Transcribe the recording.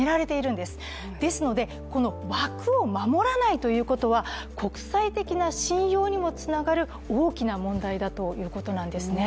ですので、この枠を守らないということは国際的な信用にもつながる、大きな問題だということなんですね。